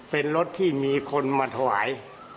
เป็นรถที่มีคนมาถวาย